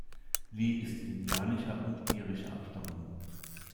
Lee ist indianischer und irischer Abstammung.